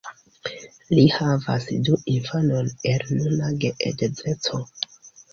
Li havas du infanojn el nuna geedzeco.